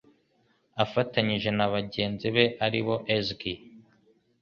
afatanyije na bagenzi be aribo Esgg